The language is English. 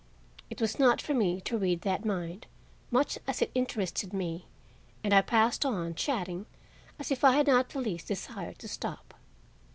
It was not for me to read that mind, much as it interested me, and I passed on, chatting, as if I had not the least desire to stop.